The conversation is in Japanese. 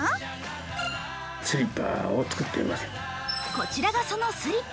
こちらがそのスリッパ。